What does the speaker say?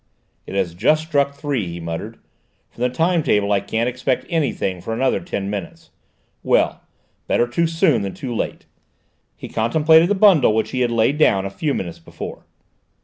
"It has just struck three," he muttered. "From the time table I can't expect anything for another ten minutes. Well, better too soon than too late!" He contemplated the bundle which he had laid down a few minutes before.